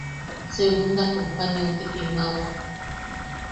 Segunda Companyiau te kimaʼawak.